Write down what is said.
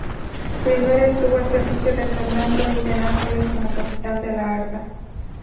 Primero estuvo al servicio de Fernando I de Nápoles, como capitán de la armada.